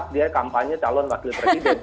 dia kampanye calon wakil presiden